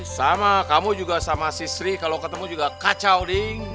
sama kamu juga sama si sri kalau ketemu juga kacau nih